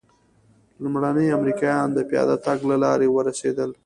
لومړني امریکایان د پیاده تګ له لارې ورسېدل.